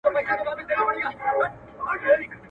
خو په زړو کي غلیمان د یوه بل دي.